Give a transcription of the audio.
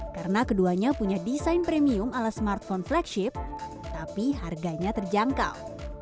karena keduanya punya desain premium ala smartphone flagship tapi harganya terjangkau